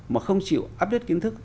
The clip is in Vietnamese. mà không chịu update kiến thức